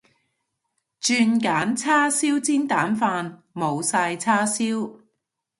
轉揀叉燒煎蛋飯，冇晒叉燒